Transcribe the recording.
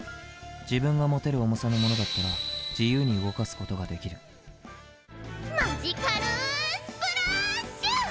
自分が持てる重さのものだったら自由に動かすことができるマジカルスプラーッシュ！